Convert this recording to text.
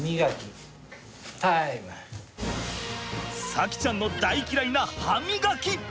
咲希ちゃんの大嫌いな歯みがき！